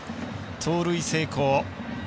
盗塁成功。